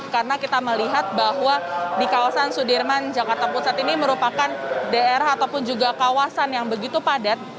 karena kita melihat bahwa di kawasan sudirman jakarta pusat ini merupakan daerah ataupun juga kawasan yang begitu padat